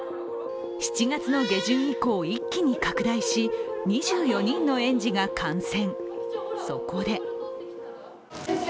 ７月の下旬以降、一気に拡大し２４人の園児が感染。